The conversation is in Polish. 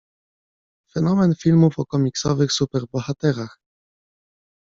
Fenomen filmów o komiksowych superbohaterach.